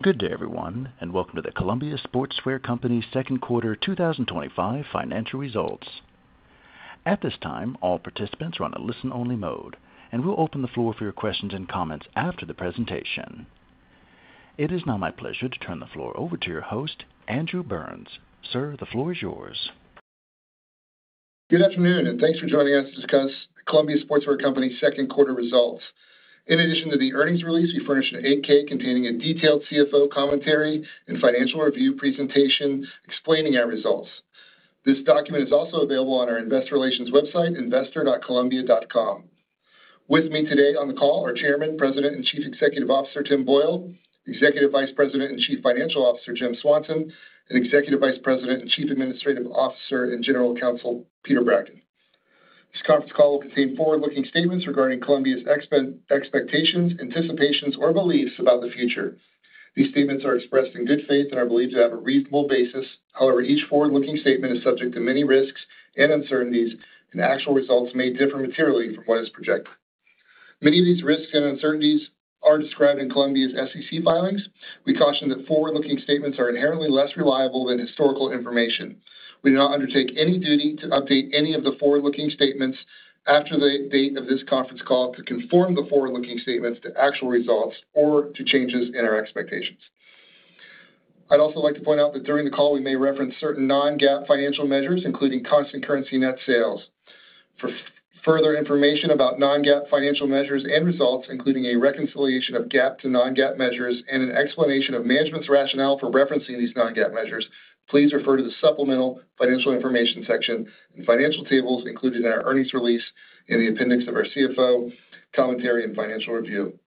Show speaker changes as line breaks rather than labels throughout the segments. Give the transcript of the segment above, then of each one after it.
Good day everyone and welcome to the Columbia Sportswear Company Second Quarter 2025 Financial Results. At this time, all participants are on a listen-only mode, and we'll open the floor for your questions and comments after the presentation. It is now my pleasure to turn the floor over to your host, Andrew Burns. Sir, the floor is yours.
Good afternoon and thanks for joining us to discuss Columbia Sportswear Company Second Quarter Results. In addition to the earnings release, we furnished an 8-K containing a detailed CFO Commentary and Financial Review presentation explaining our results. This document is also available on our investor relations website, investor.columbia.com. With me today on the call are Chairman, President and Chief Executive Officer Tim Boyle, Executive Vice President and Chief Financial Officer Jim Swanson, and Executive Vice President and Chief Administrative Officer and General Counsel Peter Bragdon. This conference call will contain forward-looking statements regarding Columbia's expectations, anticipations or beliefs about the future. These statements are expressed in good faith and are believed to have a reasonable basis. However, each forward-looking statement is subject to many risks and uncertainties and actual results may differ materially from what is projected. Many of these risks and uncertainties are described in Columbia's SEC filings. We caution that forward-looking statements are inherently less reliable than historical information. We do not undertake any duty to update any of the forward-looking statements after the date of this conference call to conform the forward-looking statements to actual results or to changes in our expectations. I'd also like to point out that during the call we may reference certain non-GAAP financial measures including constant currency net sales. For further information about non-GAAP financial measures and results, including a reconciliation of GAAP to non-GAAP measures and an explanation of management's rationale for referencing these non-GAAP measures, please refer to the Supplemental Financial Information section and financial tables included in our earnings release in the appendix of our CFO Commentary and Financial Review.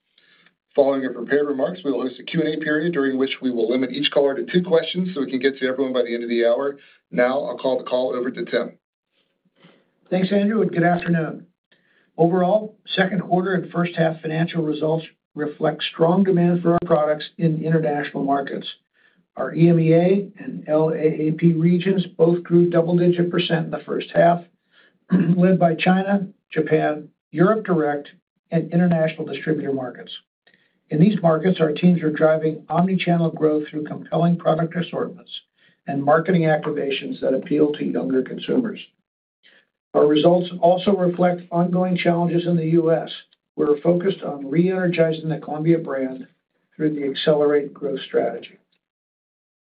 Following our prepared remarks, we will host a Q&A period during which we will limit each caller to two questions so we can get to everyone by the end of the hour. Now I'll call the call over to Tim.
Thanks Andrew and good afternoon. Overall, second quarter and first half financial results reflect strong demand for our products in international markets. Our EMEA and LAAP regions both grew double digit percent in the first half, led by China, Japan, Europe, direct and international distributor markets. In these markets, our teams are driving omnichannel growth through compelling product assortments and marketing activations that appeal to younger consumers. Our results also reflect ongoing challenges. In the U.S., we're focused on re-energizing the Columbia brand through the Accelerate Growth Strategy.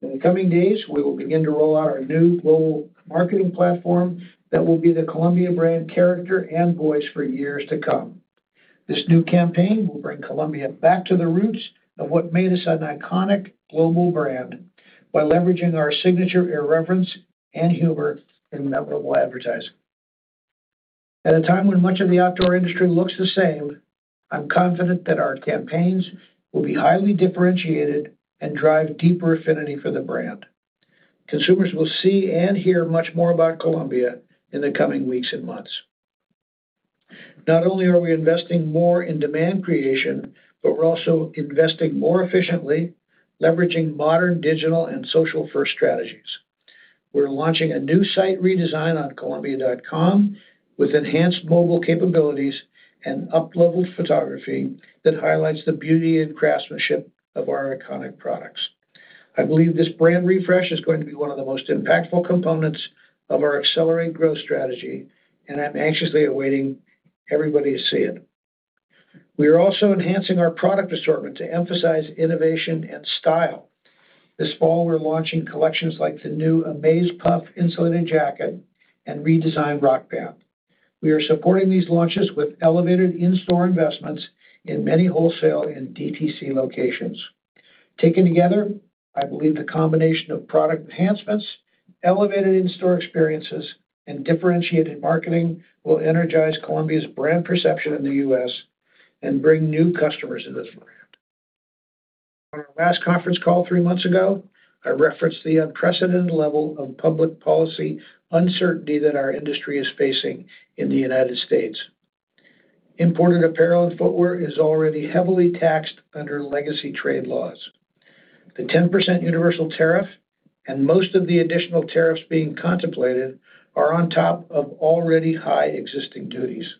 In the coming days, we will begin to roll out our new global marketing platform that will be the Columbia brand character and voice for years to come. This new campaign will bring Columbia back to the roots of what made us an iconic global brand by leveraging our signature irreverence and humor in memorable advertising. At a time when much of the outdoor industry looks the same, I'm confident that our campaigns will be highly differentiated and drive deeper affinity for the brand. Consumers will see and hear much more about Columbia in the coming weeks and months. Not only are we investing more in demand creation, but we're also investing more efficiently, leveraging modern digital and social-first strategies. We're launching a new site redesign on Columbia.com with enhanced mobile capabilities and up-leveled photography that highlights the beauty and craftsmanship of our iconic products. I believe this brand refresh is going to be one of the most impactful components of our Accelerate Growth Strategy and I'm anxiously awaiting everybody to see it. We are also enhancing our product assortment to emphasize innovation and style. This fall, we're launching collections like the new Amaze Puff Insulated Jacket and Redesign Rock Band. We are supporting these launches with elevated in-store investments in many wholesale and DTC locations. Taken together, I believe the combination of product enhancements, elevated in-store experiences, and differentiated marketing will energize Columbia's brand perception in the U.S. and bring new customers to this brand. On our last conference call three months ago, I referenced the unprecedented level of public policy uncertainty that our industry is facing. In the United States, imported apparel and footwear is already heavily taxed under legacy trade laws. The 10% universal tariff and most of the additional tariffs being contemplated are on top of already high existing duties.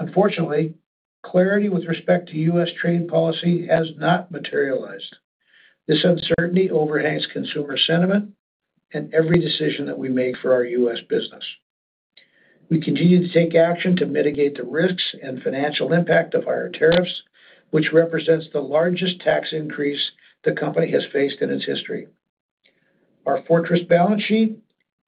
Unfortunately, clarity with respect to U.S. trade policy has not materialized. This uncertainty overhangs consumer sentiment and every decision that we make for our U.S. business. We continue to take action to mitigate the risks and financial impact of higher tariffs, which represents the largest tax increase the company has faced in its history. Our fortress balance sheet,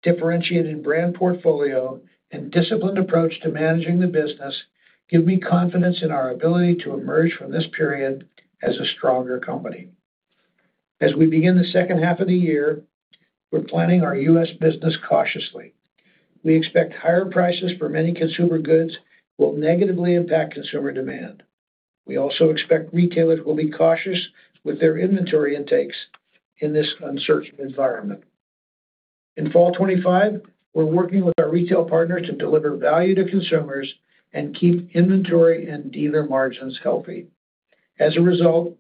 differentiated brand portfolio, and disciplined approach to managing the business give me confidence in our ability to emerge from this period as a stronger company. As we begin the second half of the year, we're planning our U.S. business cautiously. We expect higher prices for many consumer goods will negatively impact consumer demand. We also expect retailers will be cautious with their inventory intakes in this uncertain environment in fall 2025. We're working with our retail partners to deliver value to consumers and keep inventory and dealer margins healthy. As a result,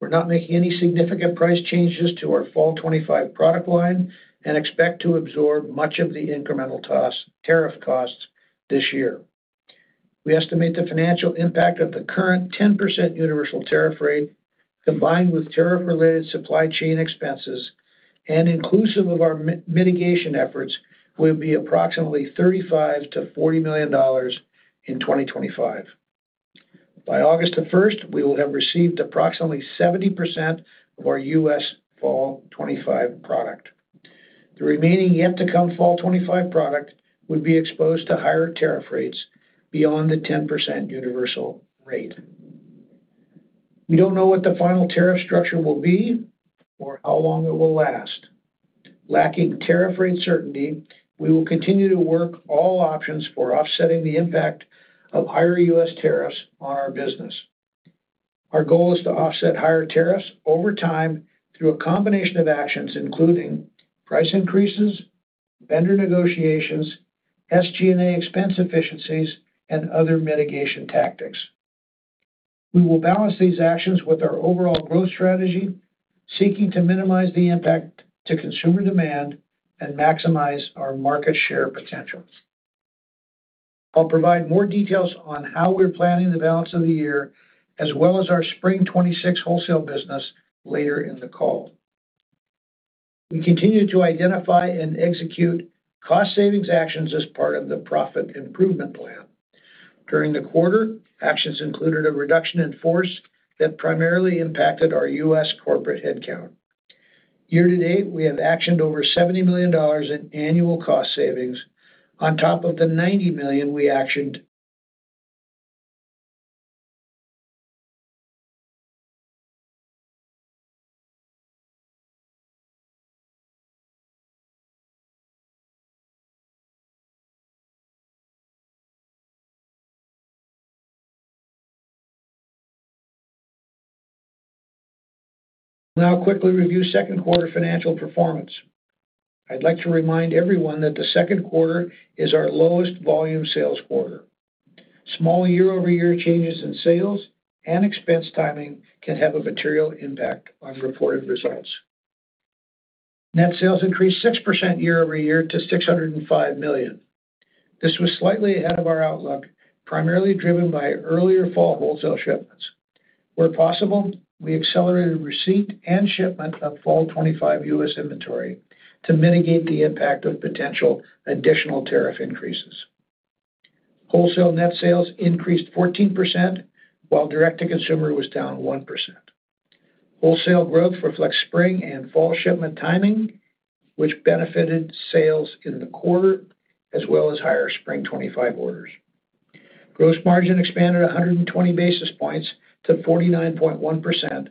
we're not making any significant price changes to our fall 2025 product line and expect to absorb much of the incremental tariff costs this year. We estimate the financial impact of the current 10% universal tariff rate combined with tariff-related supply chain expenses and inclusive of our mitigation efforts will be approximately $35 million-$40 million in 2025. By August the 1st we will have received approximately 70% of our U.S. fall 2025 product. The remaining yet to come fall 2025 product would be exposed to higher tariff rates beyond the 10% universal rate. We don't know what the final tariff structure will be or how long it will last. Lacking tariff rate certainty, we will continue to work all options for offsetting the impact of higher U.S. tariffs on our business. Our goal is to offset higher tariffs over time through a combination of actions including price increases, vendor negotiations, SG&A expense efficiencies, and other mitigation tactics. We will balance these actions with our overall growth strategy, seeking to minimize the impact to consumer demand and maximize our market share potential. I'll provide more details on how we're planning the balance of the year as well as our spring 2026 wholesale business later in the call. We continue to identify and execute cost savings actions as part of the profit improvement plan. During the quarter, actions included a reduction in force that primarily impacted our U.S. corporate headcount. Year to date, we have actioned over $70 million in annual cost savings on top of the $90 million we action. Now, quickly reviewing second quarter financial performance, I'd like to remind everyone that the second quarter is our lowest volume sales quarter. Small year-over-year changes in sales and expense timing can have a material impact on reported results. Net sales increased 6% year-over-year to $605 million. This was slightly ahead of our outlook, primarily driven by earlier fall wholesale shipments. Where possible, we accelerated receipt and shipment of fall 2025 U.S. inventory to mitigate the impact of potential additional tariff increases. Wholesale net sales increased 14% while direct-to-consumer was down 1%. Wholesale growth reflects spring and fall shipment timing, which benefited sales in the quarter, as well as higher spring 2025 orders. Gross margin expanded 120 basis points to 49.1%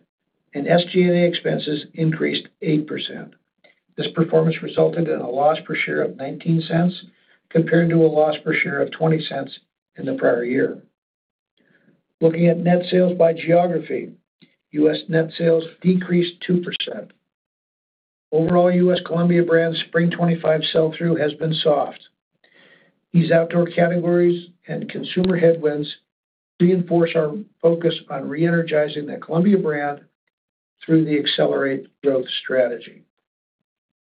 and SG&A expenses increased 8%. This performance resulted in a loss per share of $0.19 compared to a loss per share of $0.20 in the prior year. Looking at net sales by geography, U.S. net sales decreased 2%. Overall, U.S. Columbia brand spring 2025 sell-through has been soft. These outdoor categories and consumer headwinds reinforce our focus on re-energizing the Columbia brand through the Accelerate Growth Strategy.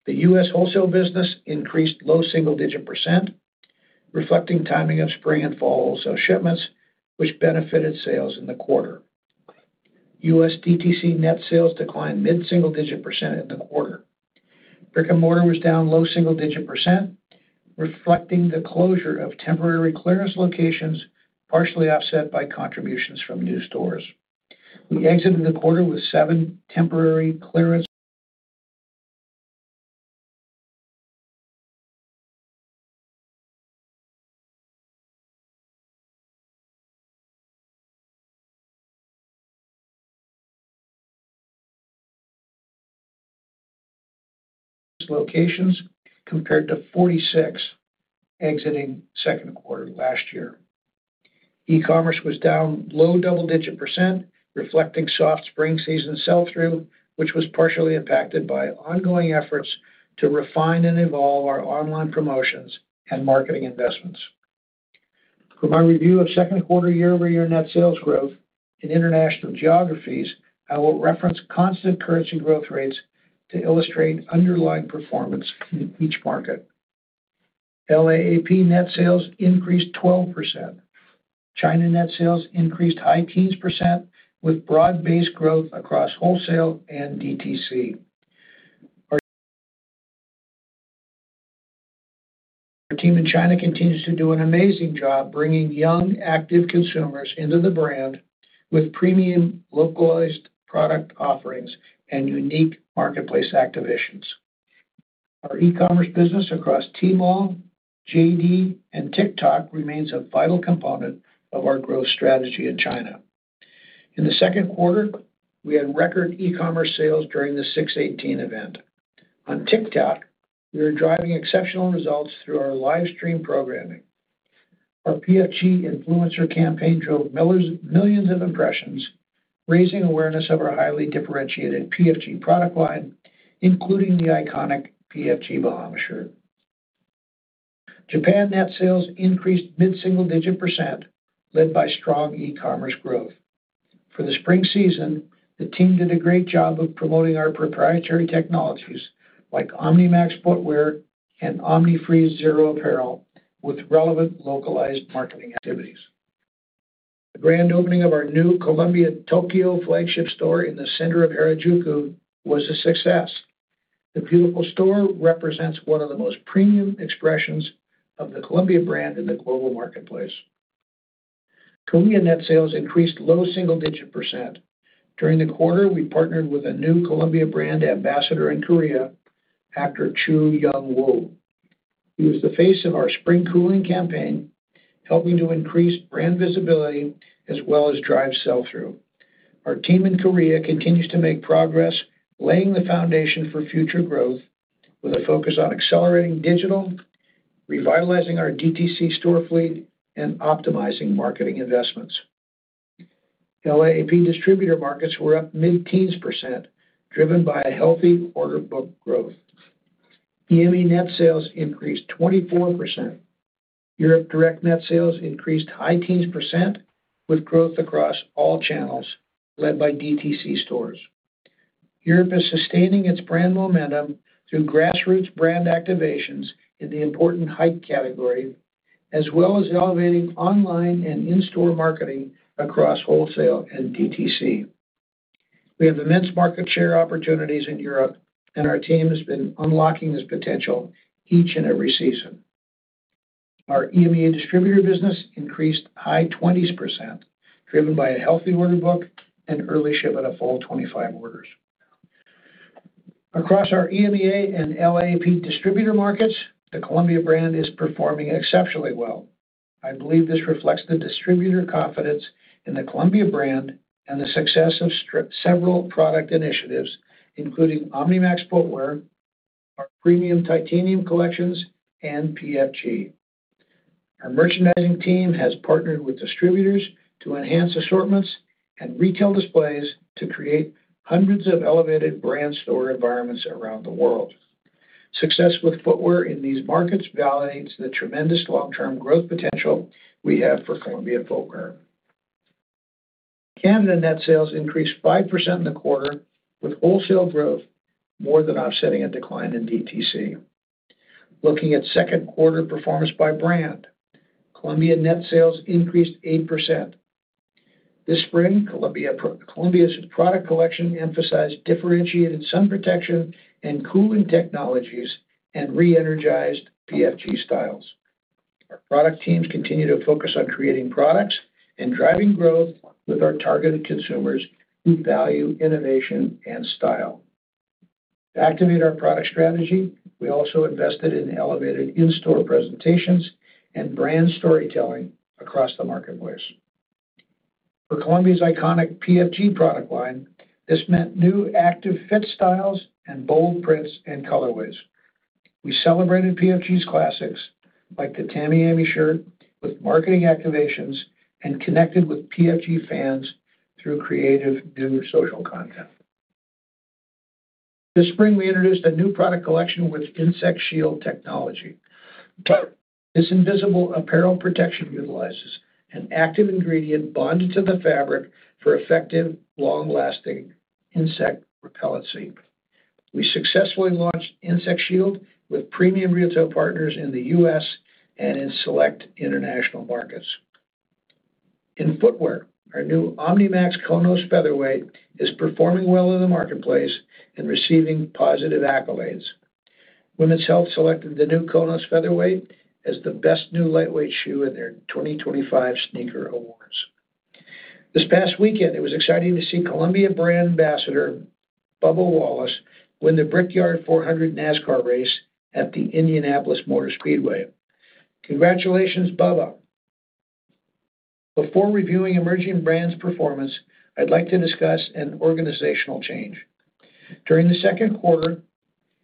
The U.S. wholesale business increased low single digit percent reflecting timing of spring and fall shipments, which benefited sales in the quarter. U.S. DTC net sales declined mid single digit percent in the quarter. Brick and mortar was down low single digit percent, reflecting the closure of temporary clearance locations, partially offset by contributions from new stores. We exited the quarter with seven temporary clearance locations compared to 46 exiting second quarter last year. E-commerce was down low double digit percent, reflecting soft spring season sell-through, which was partially impacted by ongoing efforts to refine and evolve our online promotions and marketing investments. For my review of second quarter year-over-year net sales growth in international geographies, I will reference constant currency growth rates to illustrate underlying performance in each market. LAAP net sales increased 12%. China net sales increased high teens percent with broad-based growth across wholesale and DTC. Our team in China continues to do an amazing job bringing young active consumers into the brand with premium localized product offerings and unique marketplace activations. Our e-commerce business across Tmall, JD, and TikTok remains a vital component of our growth strategy in China. In the second quarter, we had record e-commerce sales during the 618 event on TikTok. We are driving exceptional results through our live stream programming. Our PFG influencer campaign drove millions of impressions, raising awareness of our highly differentiated PFG product line, including the iconic PFG Bahama shirt. Japan net sales increased mid-single-digit percent led by strong e-commerce growth for the spring season. The team did a great job of promoting our proprietary technologies like Omnimax footwear and Omnifreeze Zero apparel with relevant localized marketing activities. The grand opening of our new Columbia Tokyo flagship store in the center of Harajuku was a success. The beautiful store represents one of the most premium expressions of the Columbia brand in the global marketplace. Columbia net sales increased low single digit percent during the quarter. We partnered with a new Columbia brand ambassador in Korea, actor Chu Young Woo. He was the face of our Spring Cooling campaign, helping to increase brand visibility as well as drive sell through. Our team in Korea continues to make progress laying the foundation for future growth with a focus on accelerating digital, revitalizing our DTC store fleet, and optimizing marketing investments. LAAP distributor markets were up mid teens percent driven by a healthy order book growth. EMEA net sales increased 24%. Europe direct net sales increased high teens percent with growth across all channels led by DTC stores. Europe is sustaining its brand momentum through grassroots brand activations in the important hype category as well as elevating online and in-store marketing across wholesale and DTC. We have immense market share opportunities in Europe, and our team has been unlocking this potential each and every season. Our EMEA distributor business increased high 20s percent driven by a healthy order book and early ship at a full 25 orders across our EMEA and LAAP distributor markets. The Columbia brand is performing exceptionally well. I believe this reflects the distributor confidence in the Columbia brand and the success of several product initiatives including Omnimax footwear, our premium Titanium collections, and PFG. Our merchandising team has partnered with distributors to enhance assortments and retail displays to create hundreds of elevated brand store environments around the world. Success with footwear in these markets validates the tremendous long-term growth potential we have for Columbia Sportswear. Net sales increased 5% in the quarter with wholesale growth more than offsetting a decline in DTC. Looking at second quarter performance by brand, Columbia net sales increased 8% this spring. Columbia's product collection emphasized differentiated sun protection and cooling technologies and re-energized PFG styles. Our product teams continue to focus on creating products and driving growth with our targeted consumers who value innovation and style. To activate our product strategy, we also invested in elevated in-store presentations and brand storytelling across the marketplace. For Columbia's iconic PFG product line, this meant new active fit styles and bold prints and colorways. We celebrated PFG's classics like the Tamiami shirt with marketing activations and connected with PFG fans through creative new social content. This spring we introduced a new product collection with Insect Shield technology. This invisible apparel protection utilizes an active ingredient bonded to the fabric for effective long-lasting insect repellency. We successfully launched Insect Shield with premium retail partners in the U.S. and in select international markets. In footwear, our new Omnimax Konos Featherweight is performing well in the marketplace and receiving positive accolades. Women's Health selected the new Konos Featherweight as the best new lightweight shoe in their 2025 sneaker awards. This past weekend it was exciting to see Columbia Brand Ambassador Bubba Wallace win the Brickyard 400 NASCAR race at the Indianapolis Motor Speedway. Congratulations Bubba. Before reviewing emerging brands performance, I'd like to discuss an organizational change. During the second quarter,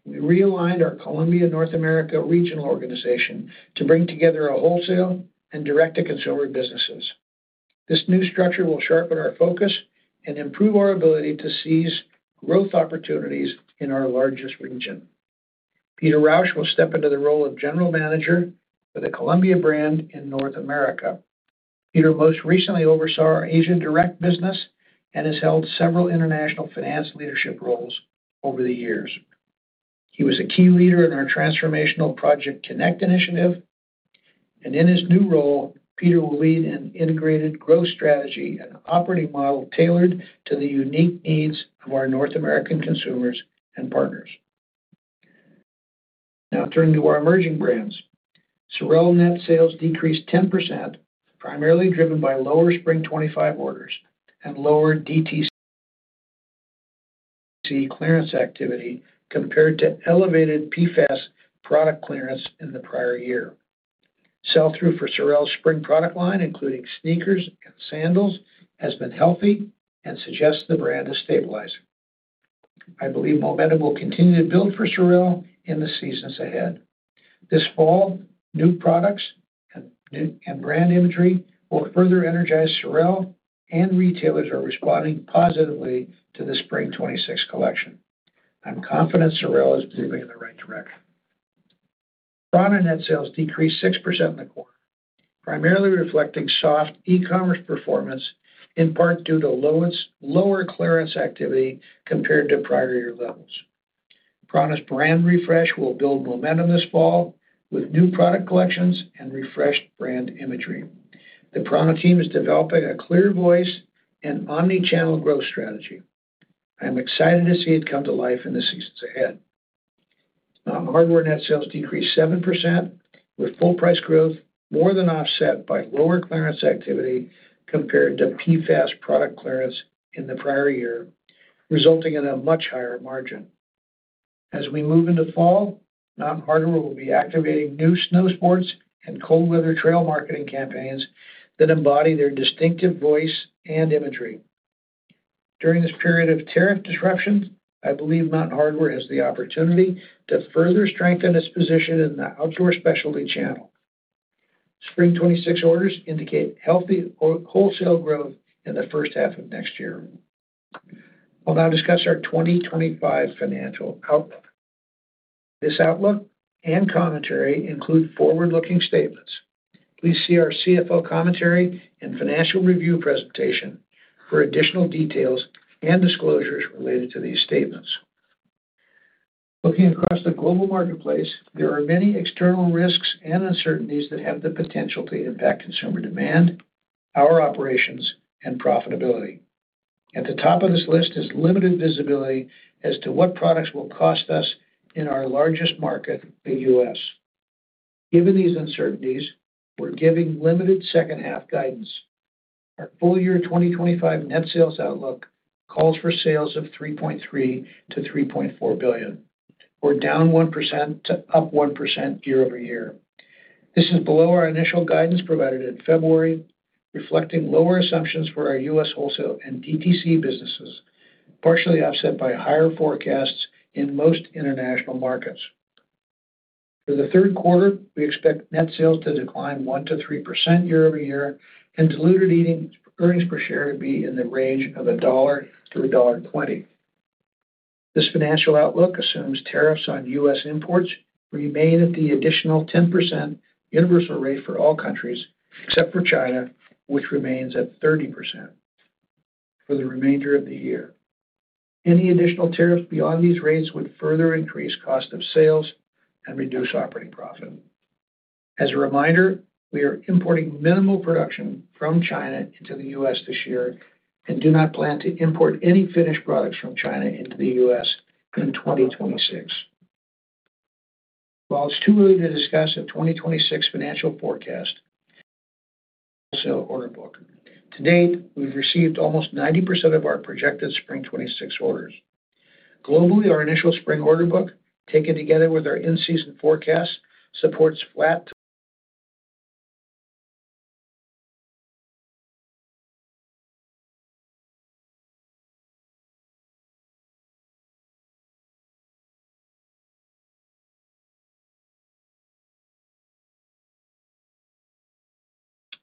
we realigned our Columbia North America regional organization to bring together our wholesale and direct-to-consumer businesses. This new structure will sharpen our focus and improve our ability to seize growth opportunities in our largest region. Peter Rauch will step into the role of General Manager for the Columbia brand in North America. Peter most recently oversaw our Asian direct business and has held several international finance leadership roles over the years. He was a key leader in our transformational Project Connect initiative, and in his new role, Peter will lead an integrated growth strategy, an operating model tailored to the unique needs of our North American consumers and partners. Now turning to our emerging brands, SOREL net sales decreased 10% primarily driven by lower spring 2025 orders and lower DTC clearance activity compared to elevated PFAS product clearance in the prior year. Sell-through for SOREL's spring product line, including sneakers and sandals, has been healthy and suggests the brand is stabilizing. I believe momentum will continue to build for SOREL in the seasons ahead this fall. New products and brand imagery will further energize SOREL, and retailers are responding positively to the spring 2026 collection. I'm confident SOREL is moving in the right direction. prAna net sales decreased 6% in the quarter, primarily reflecting soft e-commerce performance in part due to lower clearance activity compared to prior year levels. prAna's brand refresh will build momentum this fall with new product collections and refreshed brand imagery. The prAna team is developing a clear voice and omnichannel growth strategy. I am excited to see it come to life in the seasons ahead. Mountain Hardwear net sales decreased 7% with full price growth more than offset by lower clearance activity compared to PFAS product clearance in the prior year, resulting in a much higher margin. As we move into fall, Mountain Hardwear will be activating new snow, sports, and cold weather trail marketing campaigns that embody their distinctive voice and imagery. During this period of tariff disruption, I believe Mountain Hardwear has the opportunity to further strengthen its position in the outdoor specialty channel. Spring 2026 orders indicate healthy wholesale growth in the first half of next year. I'll now discuss our 2025 financial outlook. This outlook and commentary include forward-looking statements. Please see our CFO Commentary and Financial Review presentation for additional details and disclosures related to these statements. Looking across the global marketplace, there are many external risks and uncertainties that have the potential to impact consumer demand, our operations, and profitability. At the top of this list is limited visibility as to what products will cost us in our largest market, the U.S. Given these uncertainties, we're giving limited second-half guidance. Our full year 2025 net sales outlook calls for sales of $3.3 billion-$3.4 billion. We're down 1% to up 1% year-over-year. This is below our initial guidance provided in February, reflecting lower assumptions for our U.S. Wholesale and DTC businesses, partially offset by higher forecasts in most international markets. For the third quarter, we expect net sales to decline 1% to 3% year-over-year and diluted earnings per share to be in the range of $1-$1.20. This financial outlook assumes tariffs on U.S. imports remain at the additional 10% universal rate for all countries except for China, which remains at 30% for the remainder of the year. Any additional tariffs beyond these rates would further increase cost of sales and reduce operating profit. As a reminder, we are importing minimal production from China into the U.S. this year and do not plan to import any finished products from China into the U.S. in 2026. While it's too early to discuss a 2026 financial forecast, order book to date we've received almost 90% of our projected spring 2026 orders globally. Our initial spring order book, taken together with our in-season forecast, supports flat.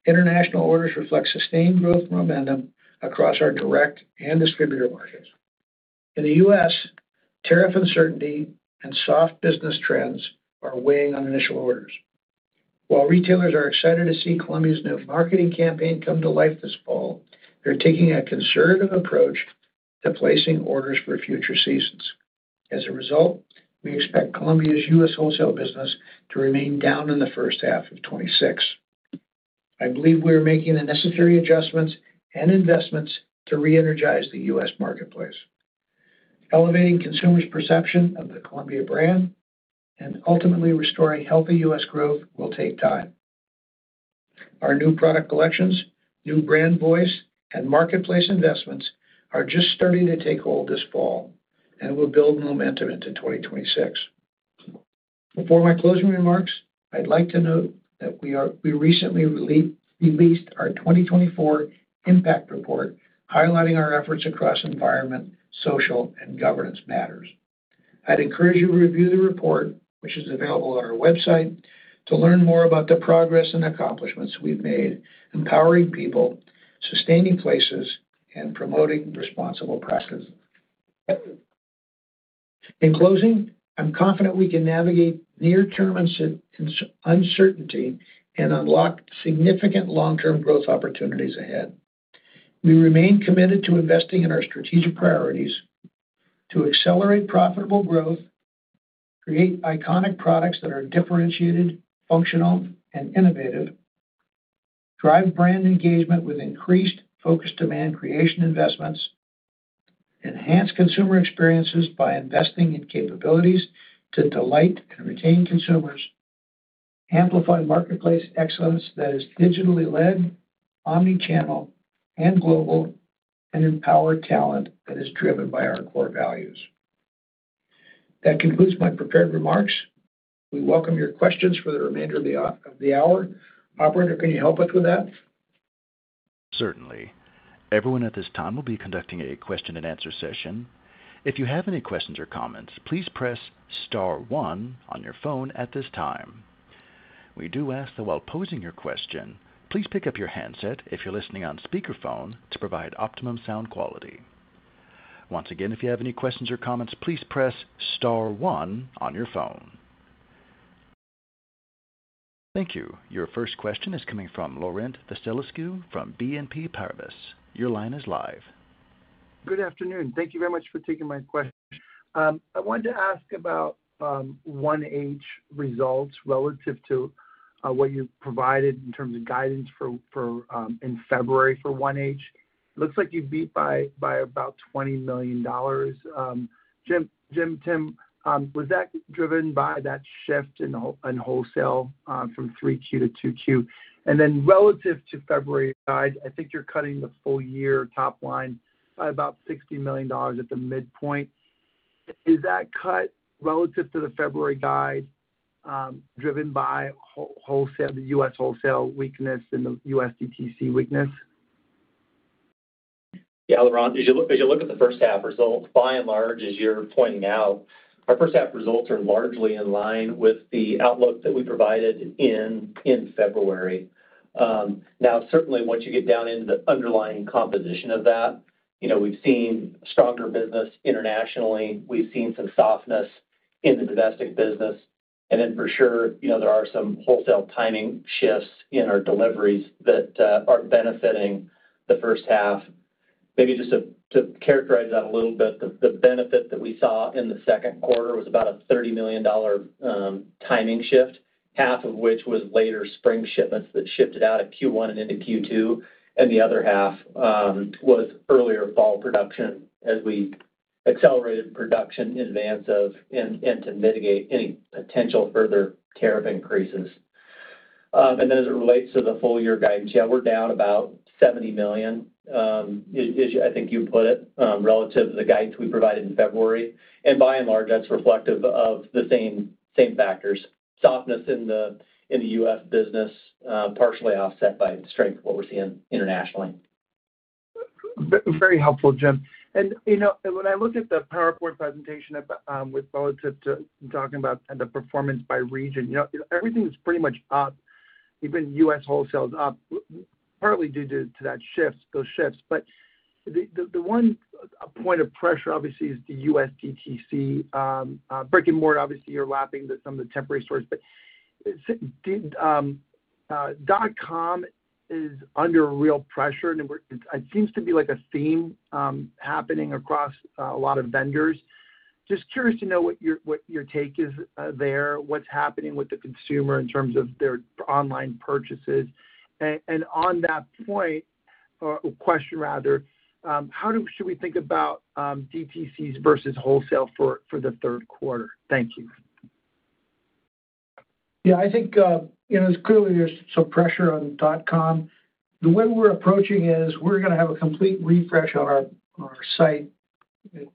International orders reflect sustained growth momentum across our direct and distributor markets. In the U.S., tariff uncertainty and soft business trends are weighing on initial orders. While retailers are excited to see Columbia's new marketing campaign come to life this fall, they're taking a conservative approach to placing orders for future seasons. As a result, we expect Columbia's U.S. wholesale business to remain down in the first half 2026. I believe we are making the necessary adjustments and investments to re-energize the U.S. marketplace. Elevating consumers' perception of the Columbia brand and ultimately restoring healthy U.S. growth will take time. Our new product collections, new brand voice, and marketplace investments are just starting to take hold this fall and will build momentum into 2026. Before my closing remarks, I'd like to note that we recently released our 2024 impact report highlighting our efforts across environment, social, and governance matters. I'd encourage you to review the report, which is available on our website, to learn more about the progress and accomplishments we've made empowering people, sustaining places, and promoting responsible practices. In closing, I'm confident we can navigate near-term uncertainty and unlock significant long-term growth opportunities ahead. We remain committed to investing in our strategic priorities to accelerate profitable growth, create iconic products that are differentiated, functional, and innovative, drive brand engagement with increased focus, demand creation investments, enhance consumer experiences by investing in capabilities to delight and retain consumers, amplify marketplace excellence that is digitally led, omnichannel, and global, and empower talent that is driven by our core values. That concludes my prepared remarks. We welcome your questions for the remainder of the hour. Operator, can you help us with that?
Certainly. Everyone, at this time we will be conducting a question and answer session. If you have any questions or comments, please press Star one on your phone at this time. We do ask that while posing your question, please pick up your handset if you're listening on speakerphone to provide optimum sound quality. Once again, if you have any questions or comments, please press Star one on your phone. Thank you. Your first question is coming from Laurent Vasilescu from BNP Paribas. Your line is live.
Good afternoon. Thank you very much for taking my question. I wanted to ask about 1H results relative to what you provided in terms of guidance in February for 1H. Looks like you beat by about $20 million, Jim. Tim, was that driven by that shift in wholesale from 3Q to 2Q, and then relative to February, I think you're cutting the full year top line by about $60 million at the midpoint. Is that cut relative to the February guide driven by wholesale, the U.S. wholesale weakness, and the U.S. DTC weakness?
Yeah. Laurent, as you look at the first half results, by and large, as you're pointing out, our first half results are largely in line with the outlook that we provided in February. Certainly, once you get down into the underlying composition of that, we've seen stronger business internationally, we've seen some softness in the domestic business. For sure, there are some wholesale timing shifts in our deliveries that are benefiting the first half. Maybe just to characterize that a little bit, the benefit that we saw in the second quarter was about a $30 million timing shift, half of which was later spring shipments that shifted out of Q1 and into Q2. The other half was earlier fall production as we accelerated production in advance of and to mitigate any potential further tariff increases. As it relates to the full year guidance, we're down about $70 million, I think you put it relative to the guidance we provided in February. By and large, that's reflective of the same factors, softness in the U.S. business partially offset by strength in what we're seeing internationally.
Very helpful, Jim. When I look at the PowerPoint presentation relative to talking about the performance by region, everything is pretty much up. Even U.S. wholesale is up partly due to that shift, those shifts. The one point of pressure obviously is the U.S. DTC brick and mortar. Obviously, you're laughing that some of the temporary stores, but .com is under real pressure. It seems to be like a theme happening across a lot of vendors. Just curious to know what your take is there. What's happening with the consumer in terms of their online purchases, and on that point or question, rather, how should we think about DTCs versus wholesale for the third quarter? Thank you.
Yeah, I think, you know, clearly there's some pressure on dot com. The way we're approaching it is we're going to have a complete refresh on our site, which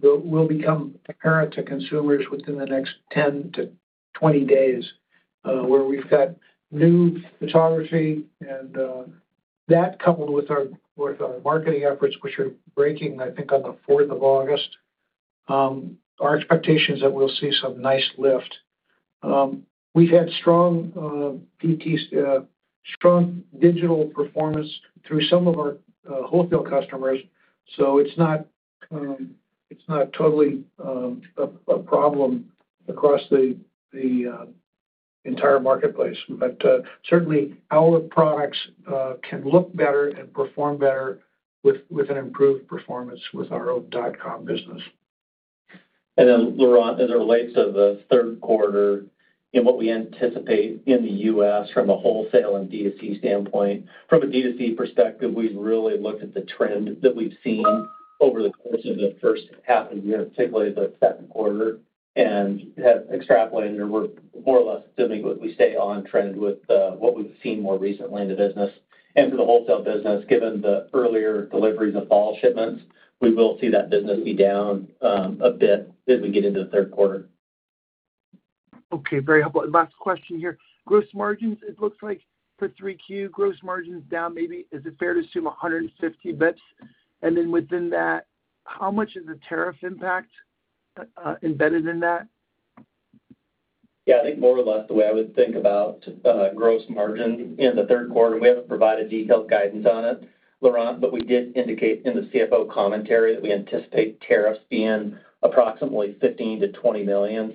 will become apparent to consumers within the next 10 to 20 days, where we've got new photography. That coupled with our, with our Marketing efforts, which are breaking, I think on the 4th of August, our expectation is that we'll see some nice lift. We've had strong digital performance through some of our wholesale customers, so it's not totally a problem across the entire marketplace. Certainly our products can look better and perform better with improved performance with our own Columbia.com business.
Laurent, as it relates to the third quarter and what we anticipate in the U.S. from a wholesale and DTC standpoint, from a DTC perspective, we've really looked at the trend that we've seen over the course of the first half of the year, particularly the second quarter, and have extrapolated or we're more or less assuming we stay on trend with what we've seen more recently in the business. For the wholesale business, given the earlier deliveries of fall shipments, we will see that business be down a bit as we get into the third quarter.
Okay, very helpful. Last question here. Gross margins, it looks like for 3Q gross margins down, maybe is it fair to assume 150 bps, and then within that, how much is the tariff impact embedded in that?
Yeah, I think more or less the way I would think about gross margin in the third quarter. We haven't provided detailed guidance on it, Laurent, but we did indicate in the CFO commentary that we anticipate tariffs being approximately $15 million-$20 million.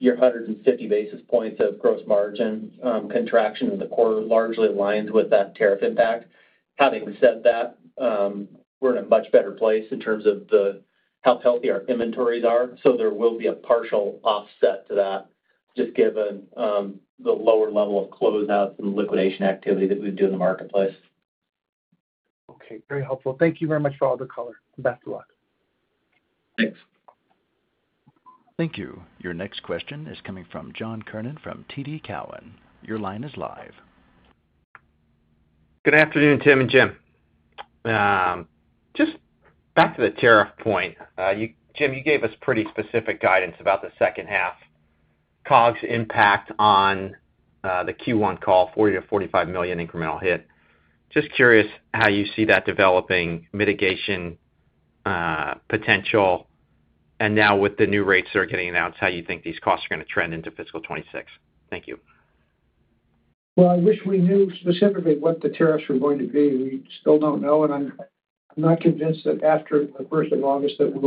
Your 150 basis points of gross margin contraction in the quarter largely aligns with that tariff impact. Having said that, we're in a much better place in terms of how healthy our inventories are. There will be a partial offset to that just given the lower level of closeouts and liquidation activity that we do in the marketplace.
Okay, very helpful. Thank you very much for all the color. Best of luck.
Thanks.
Thank you. Your next question is coming from John Kernan from TD Cowen. Your line is live.
Good afternoon, Tim and Jim. Just back to the tariff point. Jim, you gave us pretty specific guidance about the second half COGS impact on the Q1 call, $40 million-$45 million incremental hit. Just curious how you see that developing mitigation potential. Now with the new rates that are getting announced, how you think these costs are going to trend into Fiscal 2026. Thank you.
I wish we knew specifically what the tariffs were going to be. We still don't know. I'm not convinced that after the 1st of August that we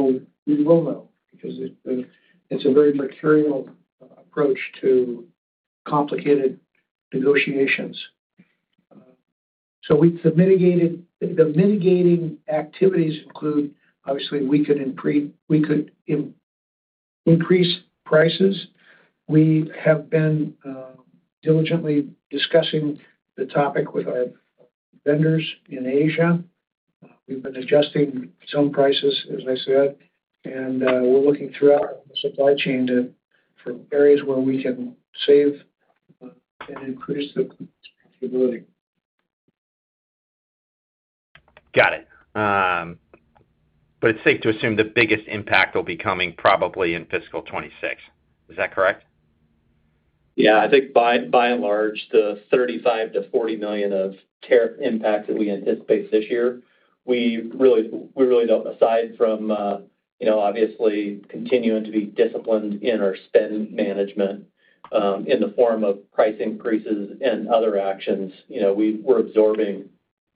will know because it's a very material approach to complicated negotiations. We mitigated. The mitigating activities include, obviously, we could increase prices. We have been diligently discussing the topic with our vendors in Asia. We've been adjusting some prices, as I said, and we're looking throughout the supply chain for areas where we can save and increase the profitability.
Got it. It is safe to assume the biggest impact will be coming probably in Fiscal 2026, is that correct?
I think by and large the $35 million-$40 million of tariff impacts that we anticipate this year, we really don't. Aside from obviously continuing to be disciplined in our spend management in the form of price increases and other actions, we're absorbing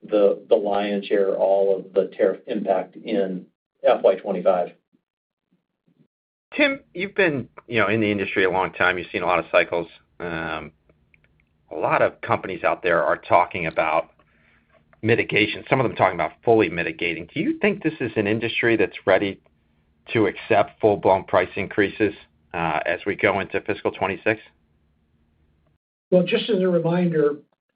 the lion's share of all the tariff impact in FY2025.
Tim, you've been in the industry a long time. You've seen a lot of cycles. A lot of companies out there are talking about mitigation, some of them talking about fully mitigating. Do you think this is an industry that's ready to accept full-blown price increases as we go into Fiscal 2026?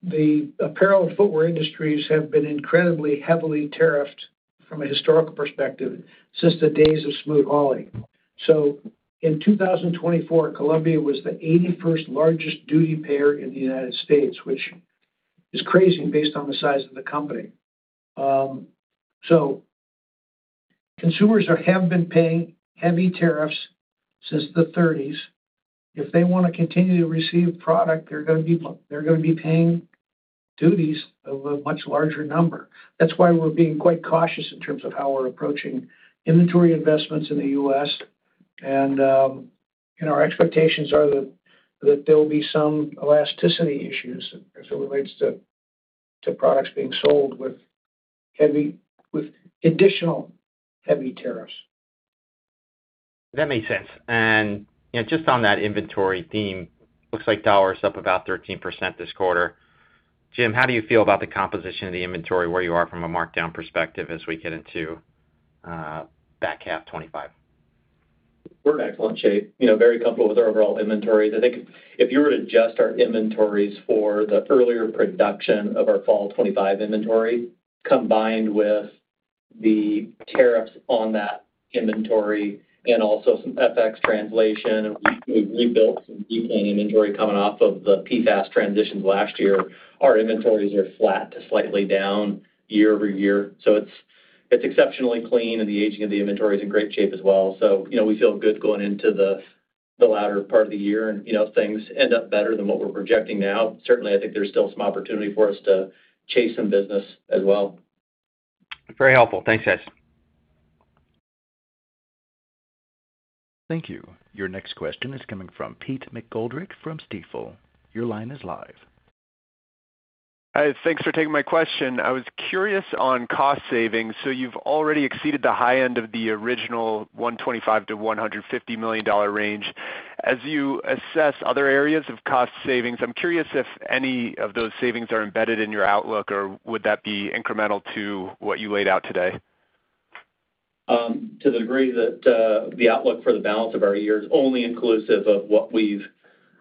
The apparel and footwear industries have been incredibly heavily tariffed from a historical perspective since the days of Smoot Hawley. In 2024, Columbia was the 81st largest duty payer in the United States, which is crazy based on the size of the company. Consumers have been paying heavy tariffs since the 1930s. If they want to continue to receive product, they're going to be paying duties of a much larger number. That's why we're being quite cautious in terms of how we're approaching inventory investments in the U.S., and our expectations are that there will be some elasticity issues as it relates to products being sold with additional heavy tariffs.
That makes sense. Just on that inventory theme, looks like dollar is up about 13% this quarter. Jim, how do you feel about the composition of the inventory where you are from a markdown perspective as we get into back half 2025.
We're in excellent shape, you know, very comfortable with our overall inventories. I think if you were to adjust our inventories for the earlier production of our fall 2025 inventory, combined with the tariffs on that inventory and also some FX translation, we've rebuilt inventory coming off of the PFAS transitions last year. Our inventories are flat to slightly down year-over-year. It's exceptionally clean, and the aging of the inventory is in great shape as well. We feel good going into the latter part of the year, and if things end up better than what we're projecting now, I think there's still some opportunity for us to chase some business as well.
Very helpful. Thanks, guys
Thank you. Your next question is coming from Peter McGoldrick from Stifel. Your line is live.
Thanks for taking my question. I was curious on cost savings. You've already exceeded the high end of the original $125 million to $150 million range. As you assess other areas of cost savings, I'm curious if any of those savings are embedded in your outlook or would that be incremental to what you laid out today.
To the degree that the outlook for the balance of our year is only inclusive of what we've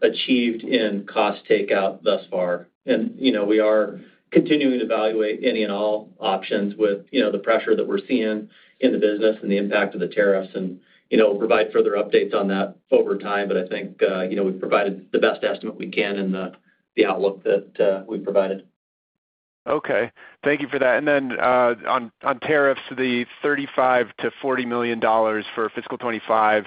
achieved in cost takeout thus far, we are continuing to evaluate any and all options with the pressure that we're seeing in the business and the impact of the tariffs, and provide further updates on that over time. I think we've provided the best estimate we can in the outlook that we've provided.
Okay, thank you for that. On tariffs, the $35 million to $40 million for Fiscal 2025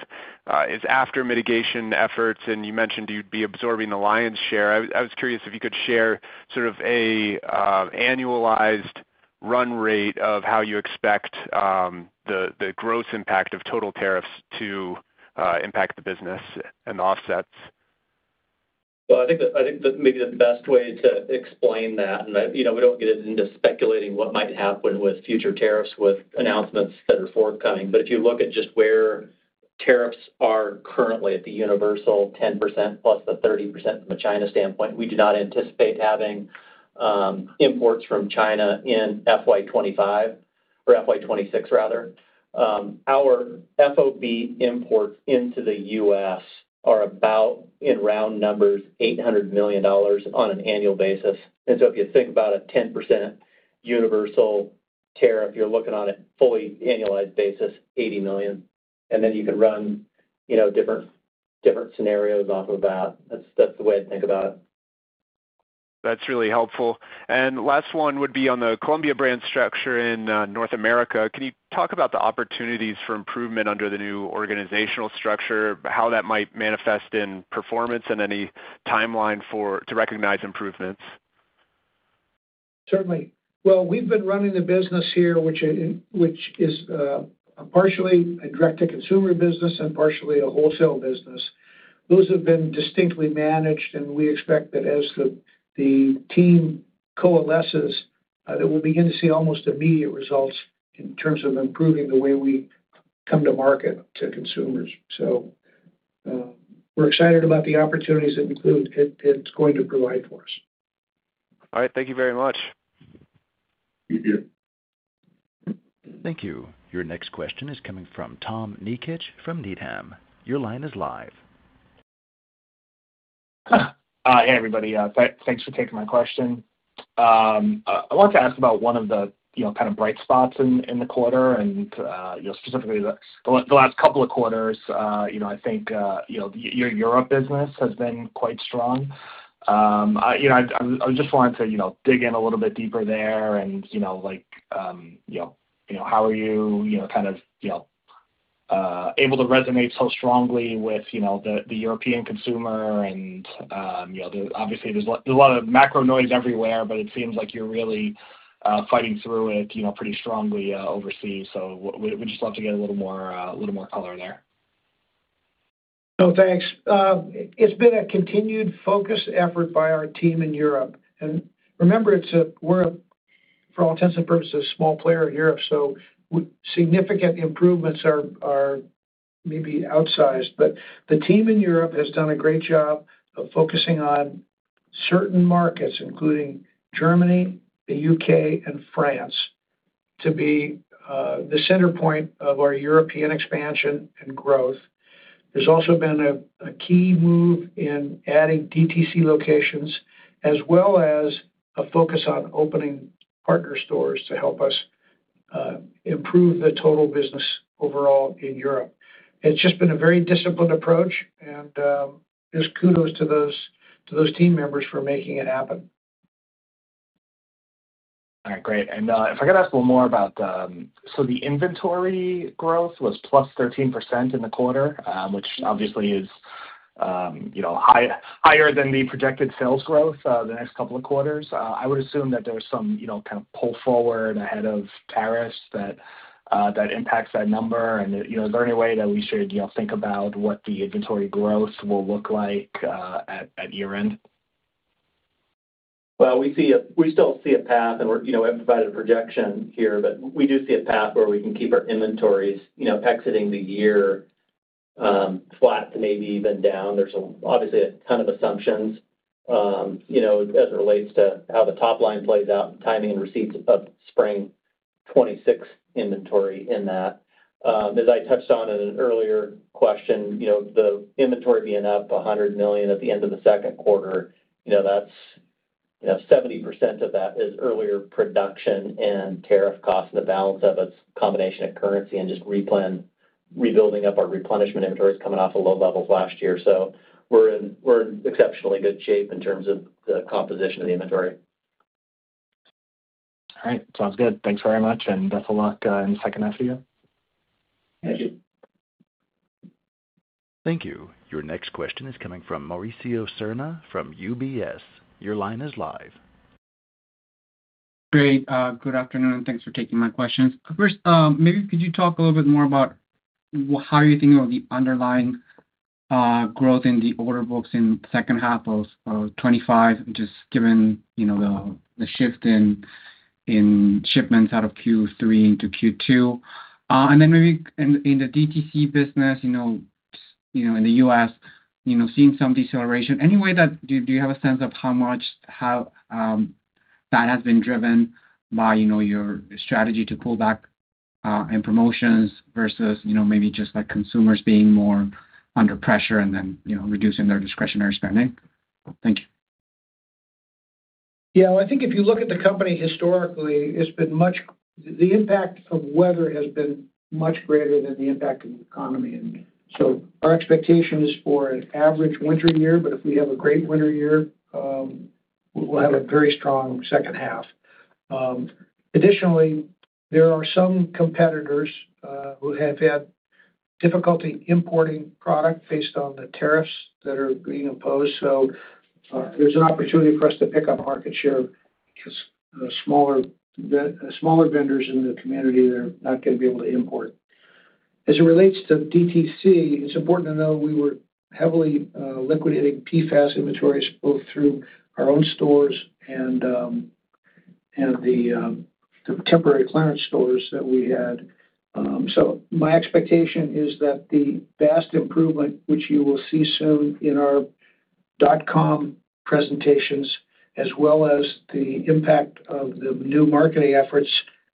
is after mitigation efforts. You mentioned you'd be absorbing the lion's share. I was curious if you could share sort of an annualized run rate of how you expect the gross impact of total tariffs to impact the business and offsets.
I think maybe the best way to explain that is we don't get into speculating what might happen with future tariffs with announcements that are forthcoming. If you look at just where tariffs are currently at, the universal 10% plus the 30% from a China standpoint, we do not anticipate having imports from China in FY2025 or FY2026. Rather, our FOB imports into the U.S. are about, in round numbers, $800 million on an annual basis. If you think about a 10% universal tariff, you're looking on a fully annualized basis at $80 million. You can run different scenarios off of that. That's the way to think about it.
That's really helpful. Last one would be on the Columbia brand structure in North America. Can you talk about the opportunities for improvement under the new organizational structure, how that might manifest in performance, and any timeline to recognize improvements?
Certainly. We've been running the business here, which is partially a direct-to-consumer business and partially a wholesale business. Those have been distinctly managed, and we expect that as the team coalesces, we'll begin to see almost immediate results in terms of improving the way we come to market to consumers. We're excited about the opportunities it's going to provide for us.
All right, thank you very much.
Thank you. Your next question is coming from Tom Nikic from Needham. Your line is live.
Hey, everybody. Thanks for taking my question. I want to ask about one of the kind of bright spots in the quarter, and specifically the last couple of quarters. I think your Europe business has been quite strong. I just wanted to dig in a little bit deeper there and how are you kind of able to resonate so strongly with the European consumer? Obviously there's a lot of macro noise everywhere, but it seems like you're really fighting through it pretty strongly overseas. We'd just love to get a little more color there.
No, thanks. It's been a continued focused effort by our team in Europe. Remember, for all intents and purposes, we're a small player in Europe, so significant improvements are maybe outsized. The team in Europe has done a great job of focusing on certain markets, including Germany, the U.K., and France, to be the center point of our European expansion and growth. There has also been a key move in adding DTC locations as well as a focus on opening partner stores to help us improve the total business overall in Europe. It's just been a very disciplined approach, and kudos to those team members for making it happen.
All right, great. If I could ask one more about the inventory growth, it was +13% in the quarter, which obviously is higher than the projected sales growth the next couple of quarters. I would assume that there's some kind of pull forward ahead of tariffs that impacts that number. Is there any way that we should think about what the inventory growth will look like at year-end?
We still see a path and, you know, we have provided a projection here, but we do see a path where we can keep our inventories, you know, exiting the year flat to maybe even down. There's obviously a ton of assumptions, you know, as it relates to how the top-line plays out. Timing and receipts of spring 2026 inventory in that, as I touched on in an earlier question, you know, the inventory being up $100 million at the end of the second quarter, you know, that's, you know, 70% of that is earlier production and tariff cost, the balance of it, combination of currency and just rebuilding up our replenishment inventories coming off of low levels last year. We're in exceptionally good shape in terms of the composition of the inventory.
All right, sounds good. Thanks very much, and best of luck in the second half of the year.
Thank you. Your next question is coming from Mauricio Serna from UBS. Your line is live.
Great. Good afternoon. Thanks for taking my questions. First, maybe could you talk a little bit more about how you're thinking of the underlying growth in the order books in the second half of 2025, just given the shift in shipments out of Q3 into Q2, and then maybe in the DTC business in the U.S. seeing some deceleration anyway. Do you have a sense of how much that has been driven by your strategy to pull back on promotions versus maybe just consumers being more under pressure and reducing their discretionary spending. Thank you.
Yeah, I think if you look at the company historically, it's been much, the impact of weather has been much greater than the impact of the economy. Our expectation is for an average winter year, but if we have a great winter year, we'll have a great strong second half. Additionally, there are some competitors who have had difficulty importing product based on the tariffs that are being imposed. There is an opportunity for us to pick up market share because smaller, smaller vendors in the community, they're not going to be able to import as it relates to DTC. It's important to know we were heavily liquidating PFAS inventories both through our own stores and the temporary clearance stores that we had. My expectation is that the vast improvement which you will see soon in our dot com presentations, as well as the impact of the new marketing efforts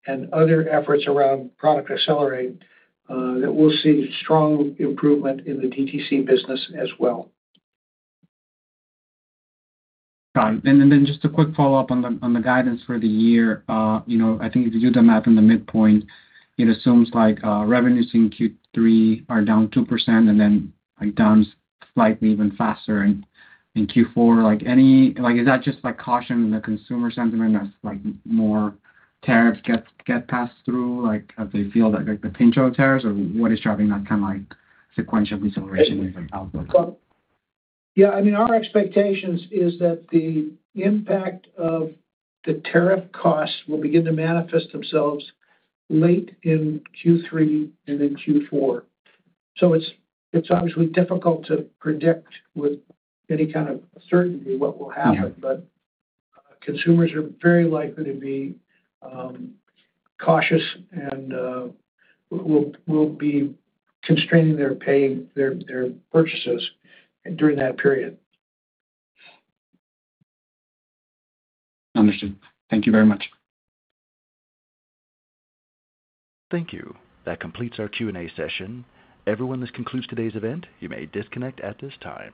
and other efforts around product accelerated, that we'll see strong improvement in the DTC business as well.
Just a quick follow-up on the guidance for the year. I think if you do the math in the midpoint, it assumes like revenues in Q3 are down 2% and then like down slightly even faster in Q4. Is that just caution in the consumer sentiment? Is that more tariffs get passed through as they feel the pinch of tariffs, or what is driving that kind of sequential deceleration?
Yeah, I mean, our expectation is that the impact of the tariff costs will begin to manifest themselves late in Q3 and in Q4. It's obviously difficult to predict with any kind of certainty what will happen. Consumers are very likely to be cautious and will be constraining their purchases during that period.
Understood. Thank you very much.
Thank you.
That completes our Q&A session, everyone. This concludes today's event. You may disconnect at this time.